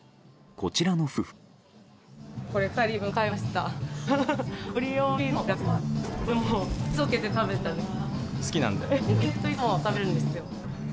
こちらの夫婦は。